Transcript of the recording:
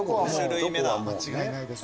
間違いないです。